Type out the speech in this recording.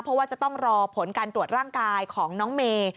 เพราะว่าจะต้องรอผลการตรวจร่างกายของน้องเมย์